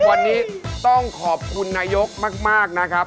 วันนี้ต้องขอบคุณนายกมากนะครับ